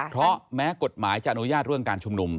เพราะแม้กฎหมายจะอนุญาตเรื่องการชุมนุม